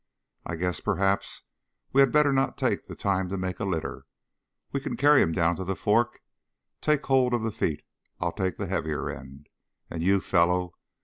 I guess perhaps we had better not take the time to make a litter. We can carry him down to the fork. Take hold of the feet. I'll take the heavier end. And you, fellow!